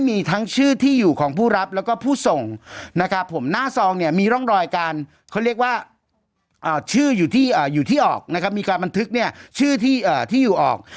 มีการบันทึกชื่อที่อยู่ออก